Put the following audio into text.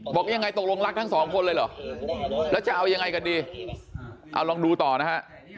บอกยังไงตกลงรักทั้งสองคนเลยเหรอแล้วจะเอายังไงกันดีเอาลองดูต่อนะฮะ